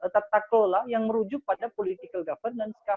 tata kelola yang merujuk pada political governance